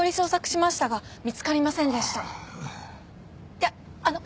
いやあの。